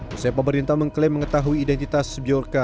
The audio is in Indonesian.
usai pemerintah mengklaim mengetahui identitas bjorka